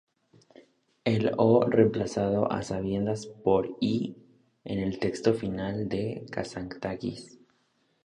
El "o" fue reemplazado a sabiendas por "y" en el texto final de Kazantzakis.